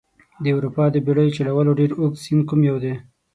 د اروپا د بیړیو چلولو ډېر اوږد سیند کوم یو دي؟